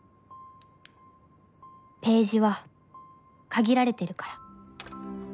ページは限られてるから。